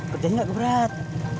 pernah nggak gebrat